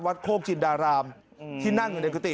โคกจินดารามที่นั่งอยู่ในกุฏิ